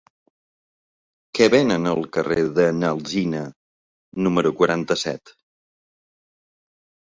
Què venen al carrer de n'Alsina número quaranta-set?